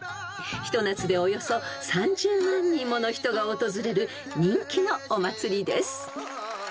［ひと夏でおよそ３０万人もの人が訪れる人気のお祭りです］